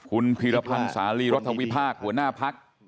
คุณพิรพังศาลีรถวิพากษ์หัวหน้าพักษ์